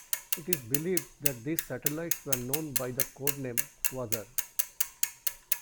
It is believed that these satellites were known by the code name "Quasar".